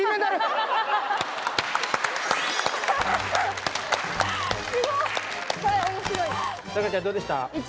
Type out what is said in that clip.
さくらちゃんどうでした？